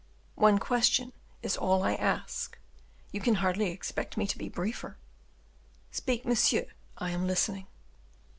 "One question is all I ask; you can hardly expect me to be briefer." "Speak, monsieur, I am listening."